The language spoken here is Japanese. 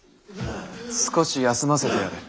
少し休ませてやれ。